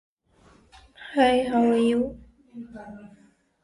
The system is implemented on many recent phones.